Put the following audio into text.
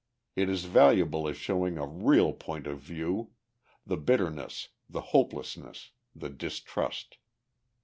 It is valuable as showing a real point of view the bitterness, the hopelessness, the distrust.